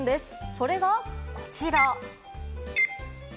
それがこちら。